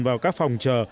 vào các phòng chờ